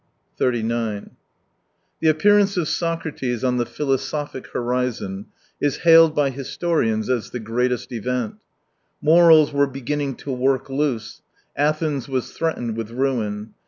39 The appearance of Socrates on the philosophic horizon is hailed by historians as the greatest event Morals were begin ning to work loose, Athens was threatened with ruin.